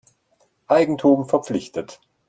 Eigentum verpflichtet.